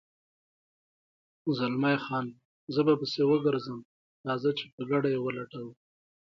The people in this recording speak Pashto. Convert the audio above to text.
زلمی خان: زه به پسې وګرځم، راځه چې په ګډه یې ولټوو.